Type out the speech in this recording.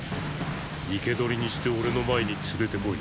生け捕りにして俺の前に連れて来い。